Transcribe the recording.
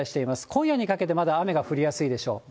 今夜にかけてまだ雨が降りやすいでしょう。